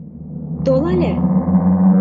— Тол але!